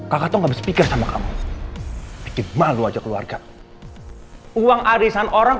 kakak tuh nggak bisa pikir sama kamu sedikit malu aja keluarga uang arisan orang